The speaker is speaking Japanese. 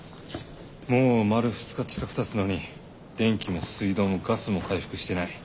もう丸２日近くたつのに電気も水道もガスも回復してない。